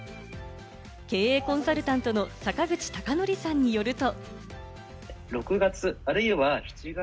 経営コンサルタントの坂口孝則さんによると。